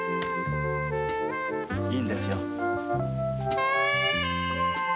いいんですよ。